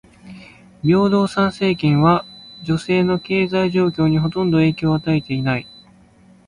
平等参政権は女性の経済状況にほとんど影響を与えていない。